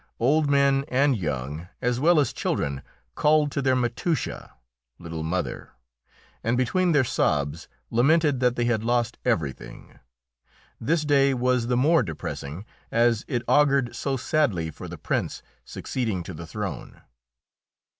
Old men and young, as well as children, called to their "matusha" (little mother), and between their sobs lamented that they had lost everything. This day was the more depressing as it augured so sadly for the Prince succeeding to the throne.